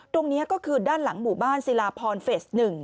ตรงนี้ก็คือด้านหลังหมู่บ้านศิลาพรเฟส๑